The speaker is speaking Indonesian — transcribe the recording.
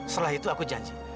setelah itu aku janji